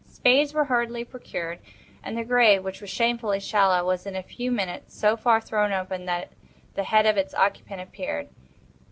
Spades were hurriedly procured, and the grave, which was shamefully shallow, was in a few minutes so far thrown open that the head of its occupant appeared.